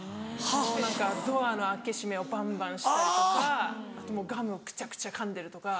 もう何かドアの開け閉めをバンバンしたりとかガムをくちゃくちゃかんでるとか。